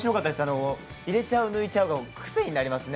入れちゃう、抜いちゃがクセになりますね。